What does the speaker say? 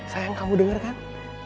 sayang kamu dengarkan